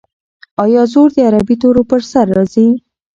آیا زور د عربي تورو پر سر راځي؟